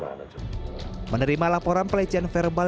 menerima laporan pelecehan verbal yang dilakukan oleh bapak kaset reskrim